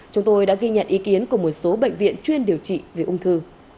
chúng tôi đã ghi nhận ý kiến của một số bệnh viện chuyên điều trị về ung thư